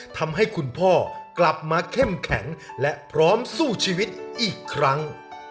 ทำให้คุณพ่อกลับมาเข้มแข็งและพร้อมสู้ชีวิตอีกครั้ง